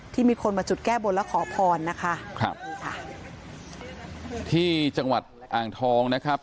มีคนมาจุดแก้บนแล้วขอพรนะคะครับนี่ค่ะที่จังหวัดอ่างทองนะครับ